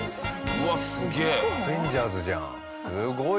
うわすげえ！